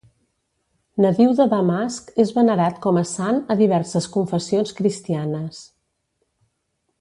Nadiu de Damasc és venerat com a sant a diverses confessions cristianes.